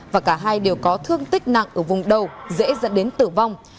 và cả hai đều có thương tích nặng ở vùng đầu dễ dẫn đến tử vong